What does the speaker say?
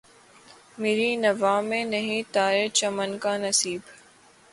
مری نوا میں نہیں طائر چمن کا نصیب